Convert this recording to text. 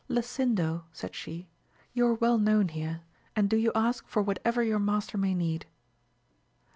Lasindo, said she, you are well known here, and do you ask for whatever your master may need.